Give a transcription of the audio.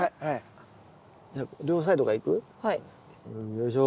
よいしょ。